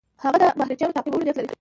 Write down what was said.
هغه د مرهټیانو تعقیبولو نیت نه لري.